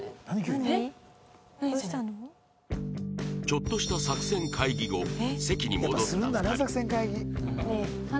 ちょっとした作戦会議後席に戻った２人